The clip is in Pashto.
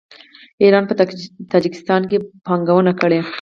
ایران په تاجکستان کې پانګونه کړې.